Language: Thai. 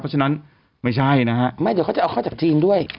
เพราะฉะนั้นไม่ใช่นะฮะไม่เดี๋ยวเขาจะเอาเข้าจากจีนด้วย